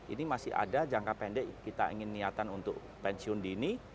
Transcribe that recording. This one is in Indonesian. ini masih ada jangka pendek kita ingin niatan untuk pensiun dini